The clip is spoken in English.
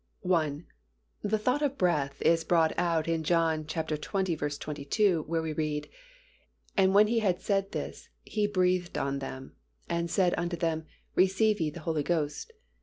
1. The thought of breath is brought out in John xx. 22 where we read, "And when He had said this, He breathed on them, and saith unto them, Receive ye the Holy Ghost."